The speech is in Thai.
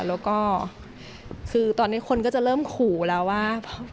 แล้วก็คือตอนนี้คนก็จะเริ่มขู่แล้วว่า